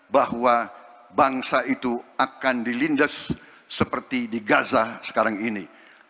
bahwa bangsa itu akan dilindas seperti di gaza sekarang ini